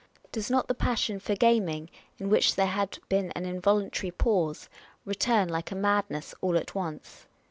Does not the passion for gaming, in which there had been an involuntary pause, return like a madness all at once?